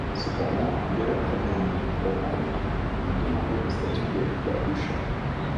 Cependant, dès la première année du programme, ont demandé le statut de Hibakusha.